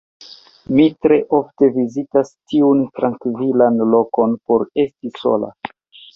Mi tre ofte vizitas tiun trankvilan lokon por esti sola.